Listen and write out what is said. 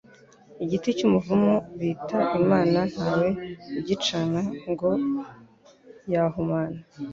Igiti cy’umuvumu bita imana ntawe ugicana, ngo yahumana